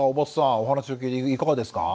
お話を聞いていかがですか？